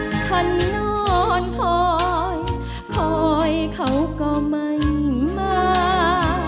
ฉันนอนคอยคอยเขาก็มันมา